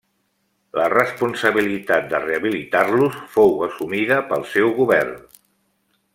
La responsabilitat de rehabilitar-los fou assumida pel seu govern.